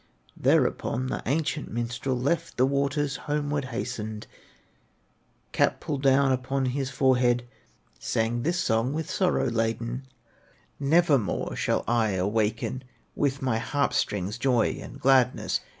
Thereupon the ancient minstrel Left the waters, homeward hastened, Cap pulled down upon his forehead, Sang this song with sorrow laden: "Nevermore shall I awaken With my harp strings, joy and gladness!